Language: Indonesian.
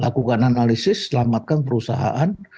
lakukan analisis selamatkan perusahaan